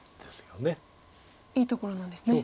いいところなんですね。